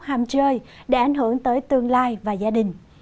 hãy đăng ký kênh để ảnh hưởng tới tương lai và gia đình